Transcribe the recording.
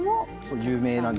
有名なんです。